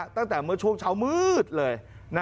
ตั้งแต่เมื่อช่วงเช้ามืดเลย